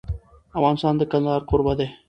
افغانستان د کندهار کوربه دی.